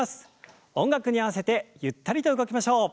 音楽に合わせてゆったりと動きましょう。